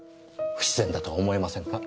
不自然だと思いませんか？